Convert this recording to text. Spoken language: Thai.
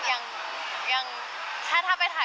ยังไม่มั่นใจขนาดนั้นนะคะ